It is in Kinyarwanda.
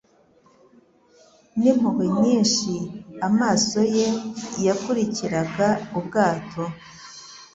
N'impuhwe nyinshi amaso ye yakurikiraga ubwato,